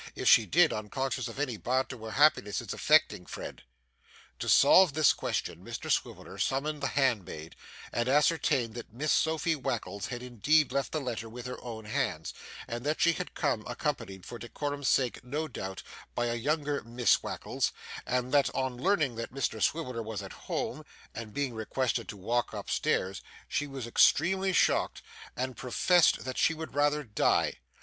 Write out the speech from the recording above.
If she did, unconscious of any bar to her happiness, it's affecting, Fred.' To solve this question, Mr Swiveller summoned the handmaid and ascertained that Miss Sophy Wackles had indeed left the letter with her own hands; and that she had come accompanied, for decorum's sake no doubt, by a younger Miss Wackles; and that on learning that Mr Swiveller was at home and being requested to walk upstairs, she was extremely shocked and professed that she would rather die.